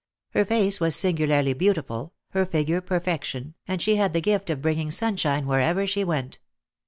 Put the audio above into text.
Her face was singularly beautiful, her figure perfection, and she had the gift of bringing sunshine wherever she went.